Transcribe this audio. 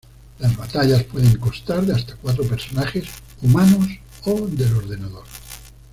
Las batallas pueden constar de hasta cuatro personajes humanos o del ordenador.